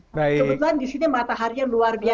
kebetulan di sini matahari yang luar biasa